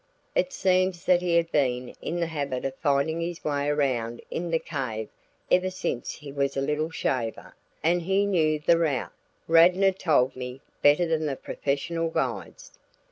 It seems that he had been in the habit of finding his way around in the cave ever since he was a little shaver, and he knew the route, Radnor told me, better than the professional guides.